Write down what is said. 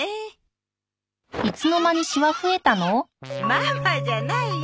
ママじゃないよ